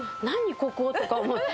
ここって思って。